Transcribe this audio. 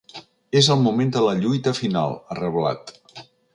És el moment de la lluita final, ha reblat.